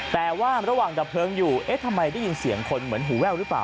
แต่ว่าระหว่างดับเพลิงอยู่เอ๊ะทำไมได้ยินเสียงคนเหมือนหูแว่วหรือเปล่า